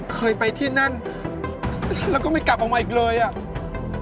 เคยไปที่นั่นแล้วก็ไม่กลับออกมาอีกเลยอ่ะ